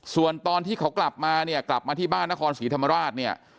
ส่วนตอนที่เขากลับมาเนี่ยกลับมาที่บ้านนครศรีธรรมราชเนี่ย